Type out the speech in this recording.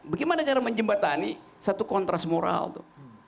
bagaimana cara menjembatani satu kontras moral tuh